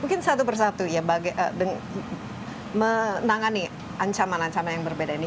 mungkin satu persatu ya menangani ancaman ancaman yang berbeda ini